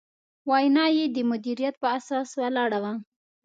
وینا یې د مدیریت په اساس ولاړه وه.